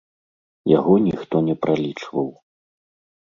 Яго ніхто не пралічваў.